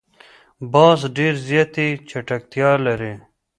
باز ډېر زیاتې چټکتیا لري